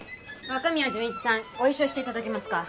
若宮潤一さんご一緒していただけますか？